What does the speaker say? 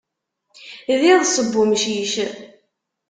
D iḍes n umcic.